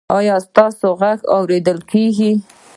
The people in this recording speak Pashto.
ایا ستاسو غږ اوریدل کیږي؟